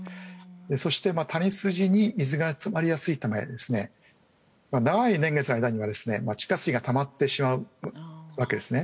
そして谷筋に水が詰まりやすいため長い年月の間にはですね地下水がたまってしまうわけですね。